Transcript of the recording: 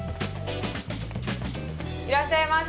いらっしゃいませ。